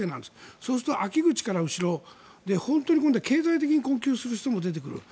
そうすると秋口から後ろ経済的に困窮する人も出てくる。